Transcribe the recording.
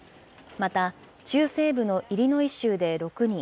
また中西部のイリノイ州で６人、